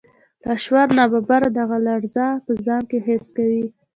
لاشعور ناببره دغه لړزه په ځان کې حس کوي